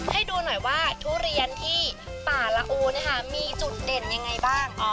ให้ดูหน่อยว่าทุเรียนที่ป่าละอูมีจุดเด่นยังไงบ้าง